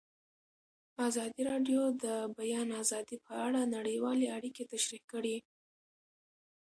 ازادي راډیو د د بیان آزادي په اړه نړیوالې اړیکې تشریح کړي.